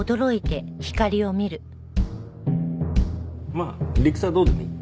まあ理屈はどうでもいい。